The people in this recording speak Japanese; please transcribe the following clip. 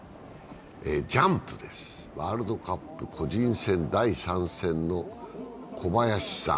ジャンプです、ワールドカップ個人戦第３戦の小林さん。